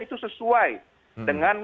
itu sesuai dengan